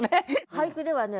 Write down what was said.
俳句ではね